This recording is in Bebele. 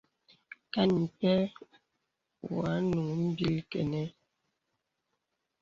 Kàn pɛ̂ wɔ̄ ànùŋ mbìl kənə.